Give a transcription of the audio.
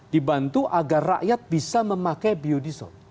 dibantu agar rakyat bisa memakai biodiesel